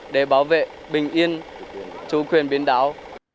để bảo vệ bình yên chủ quyền biển đảo